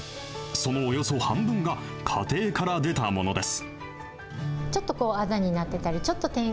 そのおよそ半分が、家庭から出たものです。